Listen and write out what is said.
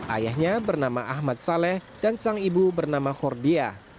ayahnya bernama ahmad saleh dan sang ibu bernama hordia